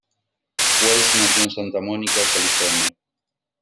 Welles nació en Santa Mónica, California.